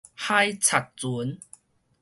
海賊船